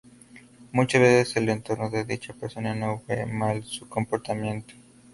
Muchas veces, el entorno de dicha persona no ve mal su comportamiento.